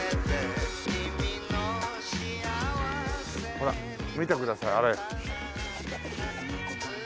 ほら見てくださいあれ。